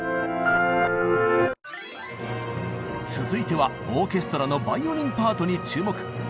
続いてはオーケストラのバイオリンパートに注目。